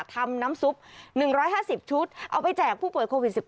ทำน้ำซุป๑๕๐ชุดเอาไปแจกผู้ป่วยโควิด๑๙